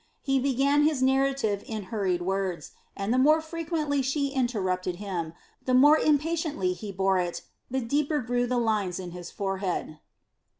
He began his narrative in hurried words, and the more frequently she interrupted him, the more impatiently he bore it, the deeper grew the lines in his forehead.